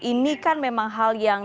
ini kan memang hal yang